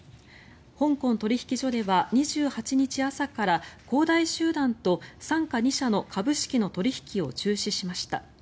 香港取引所では２８日朝から恒大集団と傘下２社の株式の取引を中止しました。